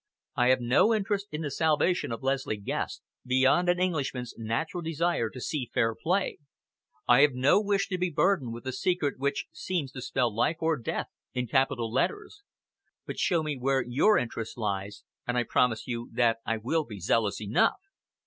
I have no interest in the salvation of Leslie Guest, beyond an Englishman's natural desire to see fair play. I have no wish to be burdened with a secret which seems to spell life or death in capital letters. But show me where your interest lies, and I promise you that I will be zealous enough!